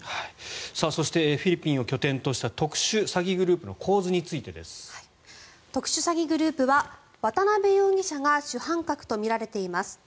そして、フィリピンを拠点とした特殊詐欺グループの特殊詐欺グループは渡邉容疑者が主犯格とみられています。